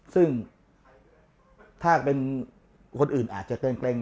ซึ่งถ้าเป็นคนอื่นอาจจะเกินเกร็ง